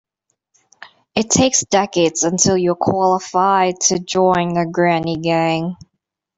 It takes decades until you're qualified to join the granny gang.